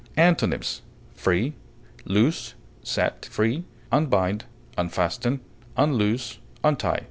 Antonyms: free, loose, set free, unbind, unfasten, unloose, untie.